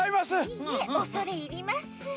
いいえおそれいります。